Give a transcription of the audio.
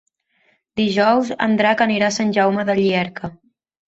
Dijous en Drac anirà a Sant Jaume de Llierca.